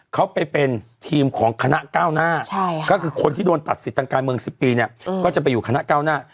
เขาไปเป็นทีมของคณะก้าวหน้าก็คือคนที่โดนตัดสิทธิ์ทางการเมือง๑๐ปีเนี่ยก็จะไปอยู่คณะก้าวหน้า